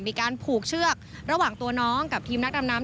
มีการผูกเชือกระหว่างตัวน้องกับทีมนักดำน้ำ